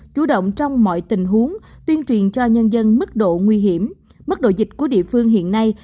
chủ động trong mọi tình huống tuyên truyền cho nhân dân mức độ nguy hiểm mức độ dịch của địa phương hiện nay